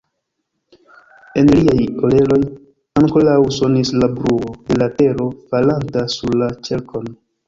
En liaj oreloj ankoraŭ sonis la bruo de la tero falanta sur la ĉerkon.